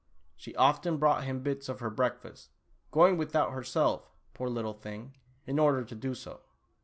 She often brought him bits of her breakfast, going without herself, poor little thing, in order to do so.